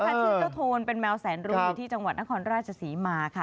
ชื่อเจ้าโทนเป็นแมวแสนรู้อยู่ที่จังหวัดนครราชศรีมาค่ะ